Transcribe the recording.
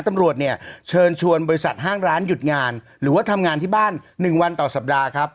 ตำรวจเนี่ยเชิญชวนบริษัทห้างร้านหยุดงานหรือว่าทำงานที่บ้าน๑วันต่อสัปดาห์ครับ